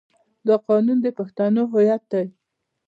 دا قانون د پښتنو هویت دی.